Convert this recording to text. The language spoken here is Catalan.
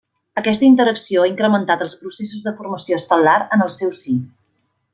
Aquesta interacció ha incrementat els processos de formació estel·lar en el seu si.